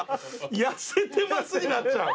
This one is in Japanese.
痩せてますになっちゃう？